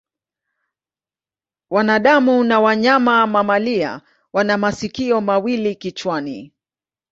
Wanadamu na wanyama mamalia wana masikio mawili kichwani.